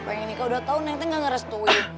pengen nikah udah tahun neng neng gak ngerestuit